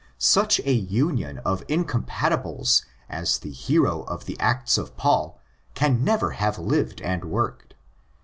Such a union of incompatibles as the hero of the Acts of Paul can never have lived and worked.